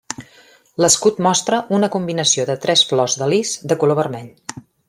L'escut mostra una combinació de tres flors de lis de color vermell.